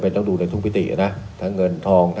ผมห่วงทุกคนน่ะ